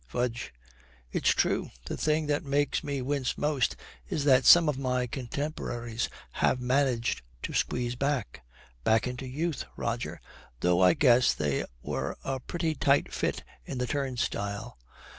Fudge.' 'It's true. The thing that makes me wince most is that some of my contemporaries have managed to squeeze back: back into youth, Roger, though I guess they were a pretty tight fit in the turnstile.